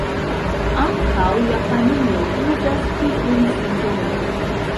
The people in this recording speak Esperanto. Ankaŭ Japanio uzas tiujn simbolojn.